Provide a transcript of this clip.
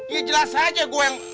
iya jelas aja gue yang